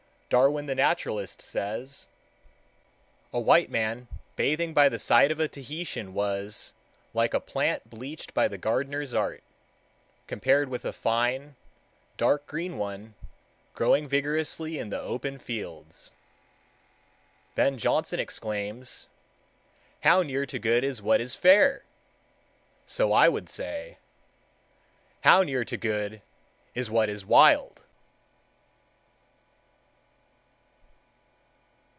Darwin the naturalist says, "A white man bathing by the side of a Tahitian was like a plant bleached by the gardener's art, compared with a fine, dark green one, growing vigorously in the open fields." Ben Jonson exclaims,— "How near to good is what is fair!" So I would say,— "How near to good is what is wild!"